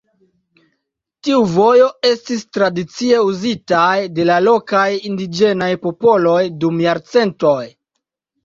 Tiu vojo estis tradicie uzitaj de la lokaj indiĝenaj popoloj dum jarcentoj.